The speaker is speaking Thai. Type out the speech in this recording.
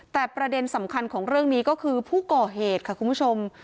แต่ประเด็นสำคัญของเรื่องนี้ก็คือผู้ก่อเหตุค่ะคุณผู้ชม